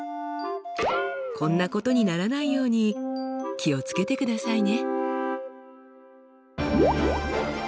こんなことにならないように気を付けてくださいね！